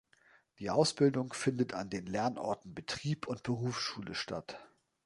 Die Ausbildung findet an den Lernorten Betrieb und Berufsschule statt.